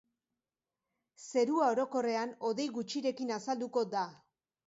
Zerua orokorrean hodei gutxirekin azalduko da.